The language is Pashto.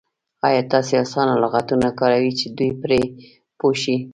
ایا تاسې اسانه لغتونه کاروئ چې دوی پرې پوه شي؟